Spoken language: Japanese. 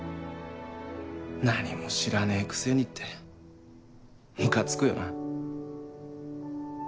何も知らねえくせにってムカつくよな。